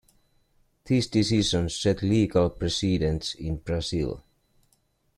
These decisions set legal precedents in Brazil.